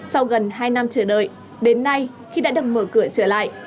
sau gần hai năm chờ đợi đến nay khi đã được mở cửa trở lại